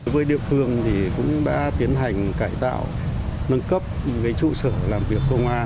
với địa phương thì cũng đã tiến hành cải tạo nâng cấp trụ sở làm việc công an